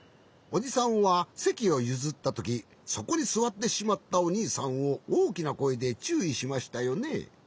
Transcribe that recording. おじさんはせきをゆずったときそこにすわってしまったおにいさんをおおきなこえでちゅういしましたよね？